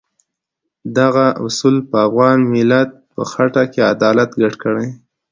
دغه اصول په افغان ملت په خټه کې عدالت ګډ کړی.